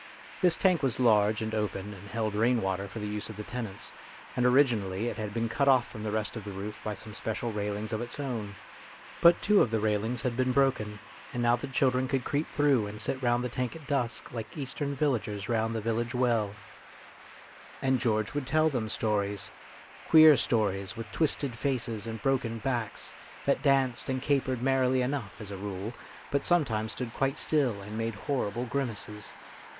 This tank was large and open and held rain water for the use of the tenants, and originally it had been cut off from the rest of the roof by some special railings of its own ; but two of the railings had been broken, and now the children could creep through and sit round the tank at dusk, like Eastern villagers round the village well. 248 FATE AND THE ARTIST And George would tell them stories queer stories with twisted faces and broken backs, that danced and capered merrily enough as a rule, but sometimes stood quite still and made horrible grimaces.